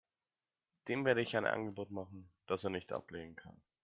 Dem werde ich ein Angebot machen, das er nicht ablehnen kann.